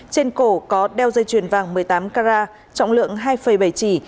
trên cổ có đeo dây chuyền vàng một mươi tám carat trọng lượng hai bảy chỉ